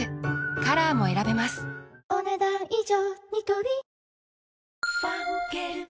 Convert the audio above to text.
カラーも選べますお、ねだん以上。